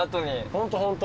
ホントホント。